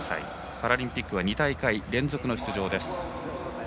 パラリンピックは２大会連続の出場です。